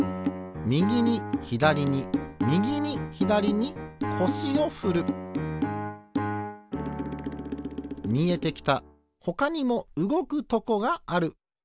みぎにひだりにみぎにひだりにこしをふるみえてきたほかにもうごくとこがある。